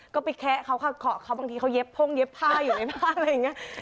ก็ไปแคะเขาค่ะเคาะเขาบางทีเขาเย็บพ่งเย็บผ้าอยู่ในบ้านอะไรอย่างนี้